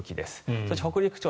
そして北陸地方